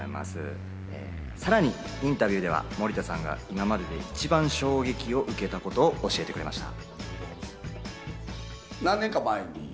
さらにインタビューでは森田さんが今までで一番衝撃を受けたことを教えてくれました。